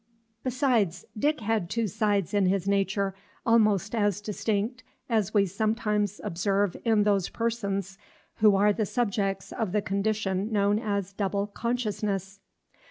Besides, Dick had two sides in his nature, almost as distinct as we sometimes observe in those persons who are the subjects of the condition known as double consciousness.